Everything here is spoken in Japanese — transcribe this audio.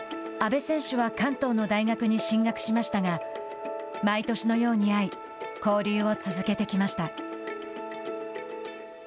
阿部選手は関東の大学に進学しましたが毎年のように会い交流を続けてきました。